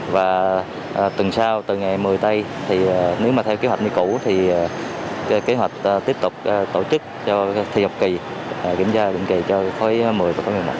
và tuần sau tuần ngày một mươi tây nếu mà theo kế hoạch như cũ thì kế hoạch tiếp tục tổ chức cho thi học kỳ kiểm tra kỳ cho khối một mươi và khối một mươi một